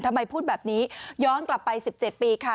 พูดแบบนี้ย้อนกลับไป๑๗ปีค่ะ